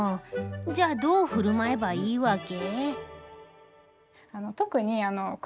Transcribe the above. じゃあどうふるまえばいいわけ？